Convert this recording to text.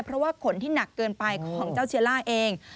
เพราะว่าขนที่หนักเกินไปของเจ้าเชียล่าเอง